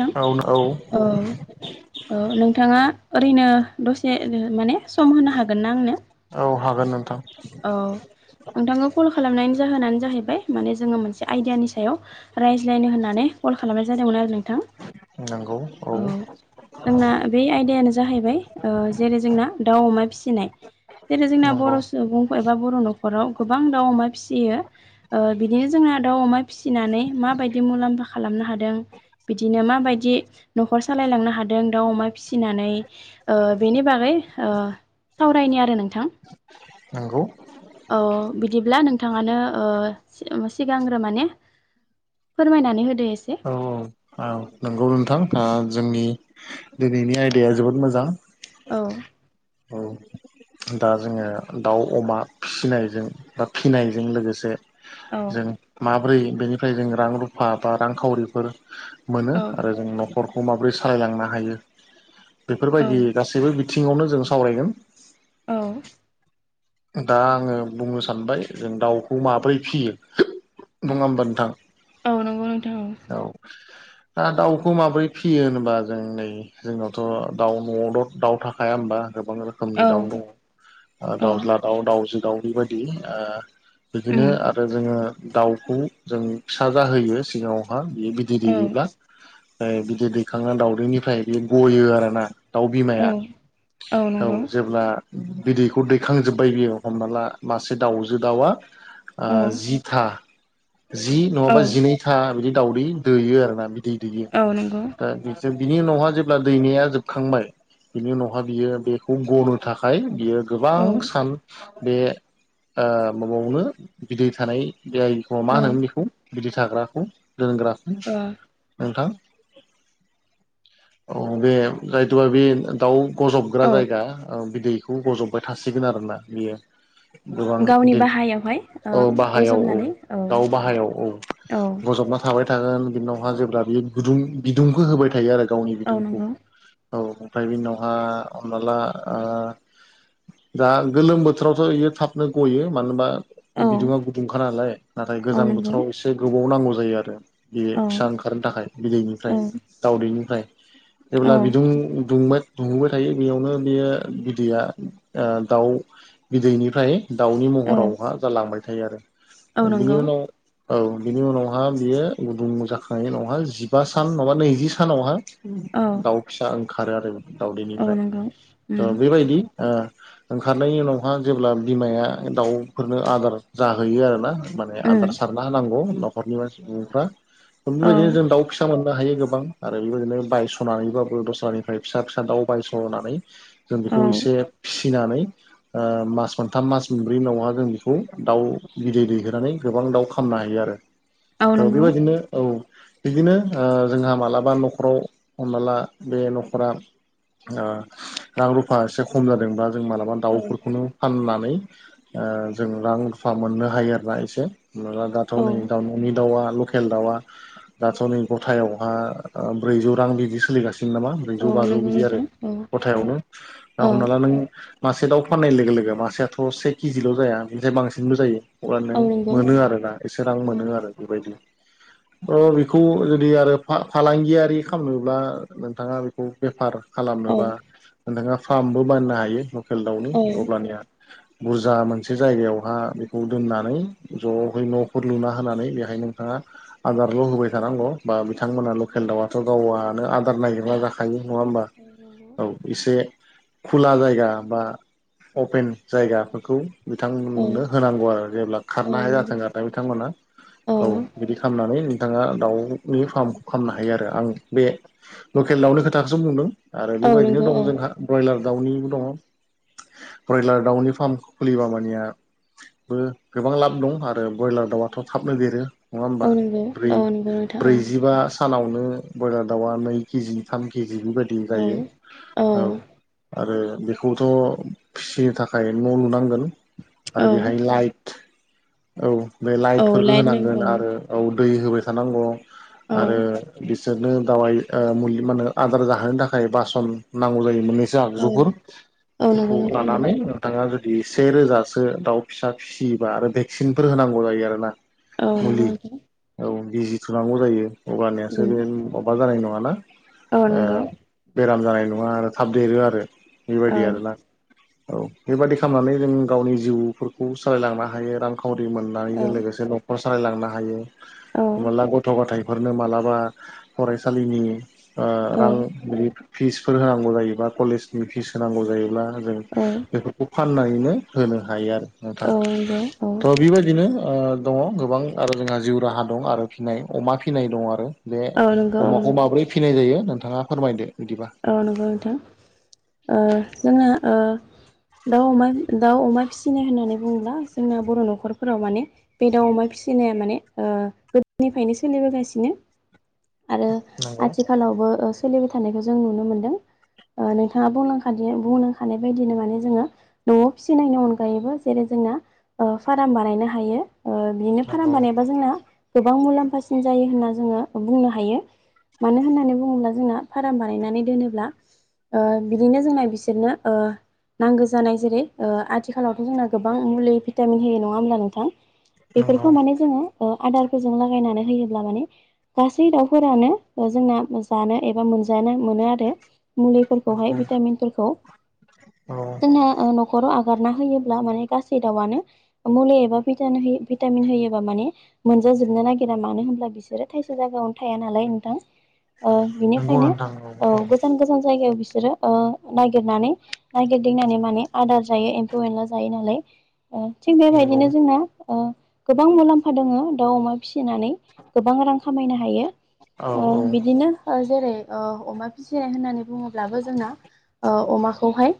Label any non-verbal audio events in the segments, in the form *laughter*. थां औ *inaudible* औ औ नोंथाङा ओरैनो दसे माने सम होनो हागोन ना आंनो? औ हागोन नोंथां। औ नोंथांखौ कल खालामनायनि जाहोनानो जाहैबाय माने जोङो मोनसे आइदानि सायाव रायज्लायनो होननानै कल खालामनाय जादोंमोन आरो नोंथां। औ जोंना बे आयदायानो जाहैबाय ओ जेरै जोंना दाउ अमा फिसि नाय जेरै जोंना नंगौ बर' सुबुं एबा बर' न'खराव गोबां दाउ अमा फिसियो ओ बिदिनो जोंहा दाउ अमा फिसिनानै माबायदि मुलाम्फा खालामनो हादों बिदिनो माबायदि न'खर सालायलांनो हादों दाउ अमा फिसिनानै ओ बेनि बागै ओ सावरायनि आरो नोंथां। नंगौ औ बिदिब्ला नोंथाङानो ओ सिगांग्रो माने फोरमायनानै होदो एसे औ औ नंगौ नोंथां आ जोंनि दिनैनि आयदाया जोबोद मोजां औ औ दा जोङो दाउ अमा फिसिनायजों बा फिनायजों लोगोसे औ जों माब्रै बेनिफ्राय जों रां रुफा बा रांखावरिफोर मोनो औ आरो जों न'खरखौ माबोरै सालायलांनो हायो औ बेफोरबायदि गासैबो बिथिङावनो जों सावरायगोन औ दा आङो बुंनो सानबाय जों दाउखौ माबोरै फियो नङा होमबा नोंथां औ नंगौ नोंथां औ ओ दाउखौ माबोरै फियो होनोबा जों नै जोंनावथ' दाउ न'आव' दाउ थाखायाया होमबा गोबां रोखोमनि दाउ दङ औ ओ औ दाउज्ला दाउ दाउजो दाउ बेबायदि ओ बिदिनो उम आरो जोङो दाउखौ जों फिसा जाहोयो सिगांङावहा बियो बिदै औ दैयोब्ला बिदै दैखांनानै दावउदैनिफ्राय बियो गयो आरोना दाउ औ बिमाया औ जेब्ला बिदैखौ दैखांजोब्बाय बियो हमना ला मासे दाउजो दाउआ ओ औ जिथा जि औ नङाबा जिनैथा बिदि दाउदै दैयो आरो ना बि दै दैयो औ नंगौ दा बि जों बिनि उनावहा जेब्ला दैनाया जोबखांबाय बिनि उनावहाय बियो बेखौ गनो थाखाय बियो औ गोबां सान बे ओ माबावनो बिदै थानाय बेखौ मा औ होनोमोन बेखौ बिदि थाग्राखौ दोनग्राखौ ओ नोंथां औ बे जायथाब दाउ गजबग्रा औ जायगा बिदैखौ गज'बबाय थासिगोन आरोना बियो गोबां गावनि दिन बाहायावहाय ओ औ बाहायाव औ गजबनानै दाउ बाहायाव औ औ गजबना थाबाय थागोन बि उनावहा जेब्ला बेयो गुदुं बिदुंखौ होबाय थायो आरो गावनि औ बिदुंखौ नंगौ औ ओमफ्राय बि उनावहा हमना ला ओ दा गोलोम बोथोरावथ' बियो थाबनो गयो मानो होनबा औ बिदुुङा गुदुंखा नालाय नाथाय औ गोजां नंगौ बोथोराव एसे गोबाव नांगौ जायो आरो बे औ फिसा ओंखारनो थाखाय औ बिदैनिफ्राय दाउदैनिफ्राय औ जेब्ला बिदुं दुंबाय दुंबाय थायो बेयावनो बेयो बिदैया ओ दाउ बिदैनिफ्राय दाउनि औ महरावहा जालांबाय थायो आरो औ बिनि नंगौ उनाव औ बिनि उनावहा बियो गुदुं जाखांनायनि उनावहाय जिबा सान नाबा नैजि सानावहा औ दाउ फिसा ओंखारो आरो औ दाउदैनिफ्राय नंगौ थ' उम बेबायदि ओ ओंखारनायनि उनावहा जेब्ला बिमाया दाउफोरनो आदार जाहैयो आरोना माने आदार उम सारना होनांगौ न'खरनि मान सुबुंफ्रा थ औ बेबायदिनो जों दाउ फिसा मोननो हायो गोबां आरो बेबायदिनो बायस'नानैबाबो दस्रानिफ्राय फिसा फिसा दाउ बायस'नानै जों औ बेखौ एसे फिनानै ओ मास मोनथाम मास मोनब्रै उनावहा जों बेखौ दाउ गिदै दैहोनानै गोबां बां दाउ खामनो हायो आरो औ थ नंगौ बेबायदिनो औ बिदिनो ओ जोंहा मालाबा न'खराव हमनाला बे न'खरा ओ रां रुफा एसे खम जादोंबा जों मालाबा औ दाउफोरखौनो फाननानै ओ जों रां रुफा मोननो हायो आरोना एसे हमना ला दाथ' औ नै दाउ न'नि दाउआ लकेल दाउआ दाथ' नै गथायावहा ब्रैजौ रां बिदि सोलिगासिनो। *inaudible* औ ब्रैजौ बाजौ नंगौ बिदि आरो नोंथां औ गथायावनो दा औ हमना ला नों मासे दाउ फाननाय लोगो लोगो मासेयाथ' से केजिल' जाया बेनिफ्राय बांसिनबो जायो अब्ला नों औ नंगौ मोनो आरोना एसे रां औ मोनो आरो बेबायदि। *inaudible* अ बेखौ जुदि आरो फालांगियारि खालामनोब्ला नोंथाङा बेखौ बेफार औ खालामनोबा नोंथाङा फार्मबो बाननो हायो लकेल दाउनि औ अब्लानिया बुरजा मोनसे जायगायावहा बेखौ दोननानै ज'है न'फोर लुना होनानै बेहाय नोंथाङा आदारल' होबाय थानांगौ बा बिथांमोना औ लकेल दाउआथ' गावआनो आदार नागिरला जाखायो नङा होमबा नंगौ औ एसे खुला जायगा बा अपेन जायगाफोरखौ औ बिथांमोननो होनांगौ आरो जेब्ला औ खारनो हाया नंगौ जाथों आरो ना बिथांमोना औ बिदि खालामनानै नोंथाङा दाउनि फार्मखौ खालामनो हायो आरो आं बे लकेल दाउनि खोथाखौसो बुंदों आरो औ बेबायदिनो नंगौ दं जोंहा ब्रयलार दाउनिबो दं ब्रयलार दाउनि फार्मखौ खुलिबा मानेया बो गोबां लाब दं आरो ब्रयलार दाउआथ' थाबनो देरो। नङा होमबा औ नंगौ नोंथां औ ब्रैजिबा सानावनो ब्रयलार दाउआ नै केजि थाम केजि जिबायदि औ जायो औ। आरो बेखौथ' फिसिनो थाखाय न' लुनांगोन औ आरो बेहाय लाइट औ। बे औ लाइटफोरखौ लाइट होनांगोन नांगौ आरो औ दै होबाय थानांगौ औ आरो बिसोरनो दावाय ओ मुलि माहोनो आदार जाहोनो थाखाय बासन नांगौ जायो मोन्नै सो औ आगजु फोर औ नंगौ बेफोरखौ नोंथां लानानै नोंथांआ जुदि से रोजा सो दासो दाउ फिसा फिसियोबा आरो भेक्सिनफोर होनांगौ जायो आरोना। औ नंगौ। मुलि औ बिजि थुनांगौ जायो अब्लानियासो उम बे अबबा जानाय नङाना औ नंगौ बेराम जानाय नङा आरो थाब देरो आरो औ बेबायदि आरोना। औ बेबादि खालामनानै जों गावनि जिउफोरखौ सालायलांनो हायो रां खावरि औ मोननायजों लोगोसे न'खर सालायलांनो हायो औ हमला गथ' गथाय फोरनो मालाबा फरायसालिनि रां बिदि फिसफोर होनांगौ जायोबा कलेजनि फिस होनांगौ जायोब्ला जों औ बेफोरखौ फान फाननायनो होनो हायो आरो नोंथां औ नंगौ औ थ' बेबायदिनो दङ गोबां आरो जोंहा जिउ राहा दं आरो फिनाय अमा फिनाय दं आरो बे औ नंगौ औ अमाखौ नोंथां माबोरै फिनाय जायो नोंथाङा फोरमायदो। बिदिबा औ नंगौ नोंथां ओ जोंना ओ दाउ अमा दाउ अमा फिसिनाय होननानै बुङोब्ला जोंना बर' न'खरफोराव माने बे दाउ अमा फि सिनाया माने गोदोनिफ्रायनो सोलिबोगासिनो आरो नंगौ आथिखालावबो सोलिबाय थानायखौ जों नुनो मोनदों। नोंथाङा बुंलां बुंलांखानाय बायदिनो माने जोङो न'आव फिसिनायनि अनगायैबो जेरै जों ना ओ फाराम बानायनो हायो। बिदिनो फाराम बानायबा जोंना गोबां मुलाम्फासिन जायो होनना जोङो बुंनो हायो। मानो होननानै बुङोब्ला जोंना फार्म बानायनानै दोनोब्ला ओ बिदिनो जोंना बिसोरनो ओ नांगौ जानाय जेरै आथिखालावथ' जोंना गोबां मुलि भिटामिन होयो नङा होमब्ला नोंथां? बेफोरखौ माने जोङो आदारफोरजों लागायनानै होयोब्ला माने गासै दाउफोरानो जोंना जानो एबा मोनजानो मोनो आरो मुलिफोरखौहाय भिटामिनफोरखौ औ गारना होयोब्ला माने गासै दाउवानो मुलि एबा भिटामिन होयोबा माने जोबनो नागिरा मानो होनोब्ला बिसोरो थाइसे जायगायावनो थाया नालाय नोंथां ओ नंगौ बिनिखायनो नोंथां औ औ गोजान गोजान जायगायाव बिस बिसोरो ओ नागिरनानै नागिरदिंनानै माने आदार जायो एम्फौ एनला जायो नालाय ओ थिग नंगौ बेबायदिनो जोंना गोबां मुलाम्फा दङ दाउ अमा फिसिनानै गोबां रां खामायनो हायो औ अ औ बिदिनो ओ जेरै ओ अमा फिसिनाय होननानै बुङोब्लाबो जोंना अमाखौहाय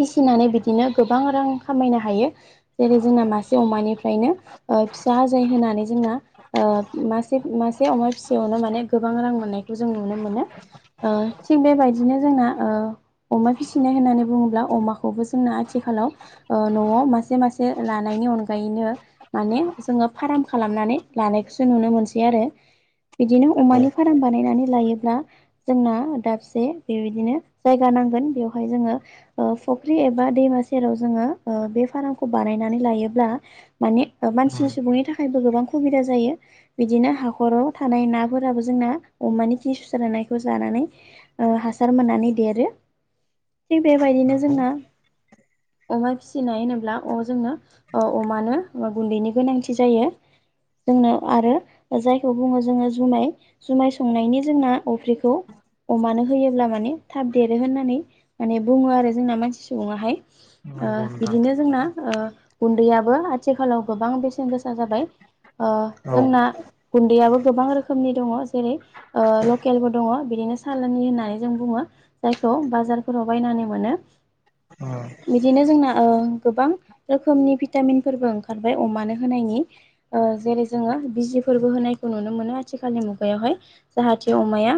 फिसिनानै बिदिनो गोबां रां खामायनो हायो जेरै जोंना मासे अमानिफ्रायनो फिसा आजाय होनानै जोंना मासे मासे अमा फिसियावनो माने गोबां रां मोननायखौ जों नुनो मोनो ओ थिक बेबायदि बिदिनो जोंना ओ अमा फिसिनाय होननानै बुङोब्ला अमाखौ खौबो जोंना आथिखालाव ओ न'आव मासे मासे लानायनि अनगायैनो माने जोङो फार्म खालामनानै लानायखौसो नुनो मोनसै आरो बिदिनो अमानि फाराम बानायनानै लायोब्ला जोंना दाबसे बेबायदिनो जायगा नांगोन बेयावहाय जोङो फुख्रि एबा दैमा सेराव जोङो ओ बे फार्मखौ बानायनानै लायोब्ला माने मानसिनि सुबुंनि थाखायबो गोबां सुबिदा जायो बिदिनो हाखराव थानाय नाफोराबो जोंना अमानि खि सुस्रानायखौ जानानै ओ हासार मोननानै देरो थिग बेबायदिनो नंगौ जोंना नंगौ अमा फिसिनाय होनोब्ला अ जोंनो अ अमानो गुन्दैनि गोनांथि जायो जोंनो आरो जायखौ बुङो जोङो जुमाय जुमाय संनायनि जोंना अफ्रिखौ अमानो होयोब्ला माने थाब देरो होननानै माने बुङो आरो जोंना मानसि सुबुंङाहाय ओ नोंथां बिदिनो जोंना ओ गुन्दैयाबो आथिखालाव गोबां बेसेन गोसा जाबाय ओ जोंना गुन्दैयाबो गोबां रोखोमनि दङ जेरै ओ लकेलबो दङ बिदिनो साालनि होननानै जों बुङो जायखौ बाजारफोराव बायनानै मोनो औ बिदिनो जोंना ओ गोबां रोखोमनि भिटामिनफोरबो ओंखारबाय अमानो होनायनि जेरै जोङो बिजिबो फोरबो होनायखौ नुनो मोनो आथिखालनि मुगायावहाय जाहाथे अमाया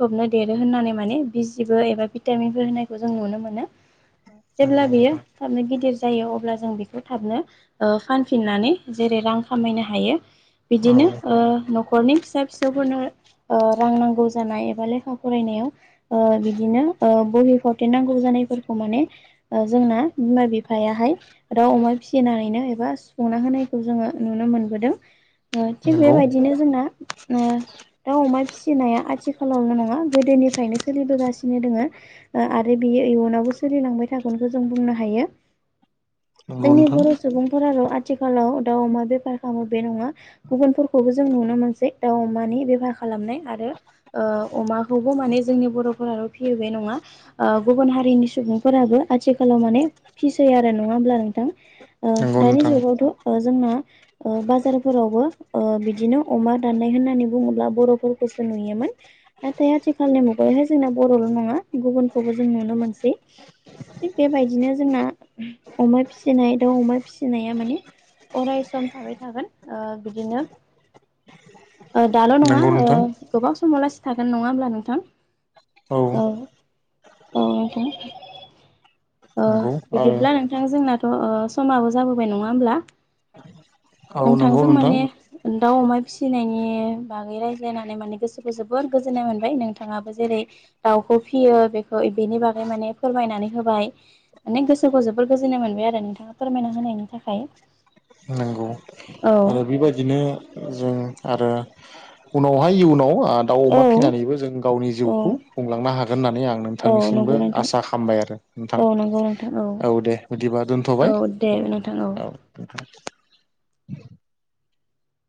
थबनो देरो होननानै माने बिजिबो एबा भिटामिन होनायखौ जों नुनो मोनो जेब्ला नंगौ बेयो नोंथां थाबनो गिदिर जायो अब्ला जों बेखौ थाबनो ओ फानफिननानै जेरै रां खामायनो हायो बिदिनो औ ओ न'खरनि फिसा फिसौफोरनो ओ रां नांगौ जानाय एबा लेखा फरायनायाव बिदिनो बहि फावथेन नांगौ जानाय फोरखौ माने जोंना बिमा बिफायाहाय दाउ अमा फिसिनानै एबा सं होनायखौ जोङो नुनो मोनबोदों ओ थिग नंगौ बेबायदिनो जोंना दाउ अमा फिसिनाया आथिखालावल' नङा गोदोनिफ्रायनो सोलिबोगासिनो दोङो आरो बि बे इयुनावबो सोलिलांबाय थागोनखौ जों बुंनो हायो नंगौ जोंनि नोंथां बर' सुबुंफोराल आथिखालाव दाउ अमा बेफार खालामो बे नङा गुबुनफोरखौबो जों नुनो मोनसै दाउ अमानि बेफार खालामनाय आरो अमाखौबो माने जोंनि बर'फोराल' फियो बे नङा गुबुन हारिनि सुबुंफोराबो आथिखालाव माने फिसै फिसै आरो नङा होमब्ला नोंथां ओ नंगौ दानि नोंथां जुगावथ' जोंना बाजारफोरावबो ओ बिदिनो अमा दाननाय होननानै बुङोब्ला बर'फोरखौसो नुयोमोन नाथाय आथिखालनि मु बेहाय जोंना बर'ल' नङा गुबुनखौबो जों नुनो मोनसै थिग बेबायदिनो जोंना अमा फिसिनाय दाउ अमा फिसिनाया माने अरायसम थाबाय थागोन ओ बिदिनो *inaudible* दाल' नङा नंगौ नोंथां गोबाव समाव थागोन नङा होमब्ला नोंथां? औ औ नंगौ आरो बिदिब्ला नोंथां जोंनाथ' समाबो जाबोबाय नङा होमब्ला औ नंगौ। जों नोंथां माने दाउ अमा फिसिनायनि बागै रायज्लायनानै माने गोसोखौ जोबोद गोजोननाय मोनबाय नोंथाङाबो जेरै दाउखौ फियो बेखौ बेनि बागै माने फोरमायनानै होबाय माने गोसोखौ जोबोद गोजोननाय मोनबाय आरो नोंथाङा फोरमायना होनायनि थाखाय। नंगौ औ आरो बेबायदिनो जों आरो उनावहाय इयुनाव दाउ औ अमा फिसिनानैबो जों गावनि जिउखौ औ खुंलांनो हागोन होननानै आं औ नोंथांनिसिमबो नंगौ नोंथां आसा खालामबाय आरो नोंथां औ नंगौ नोंथां औ दे बिदिबा औ दोनथ'बाय। दे नोंथां औ औ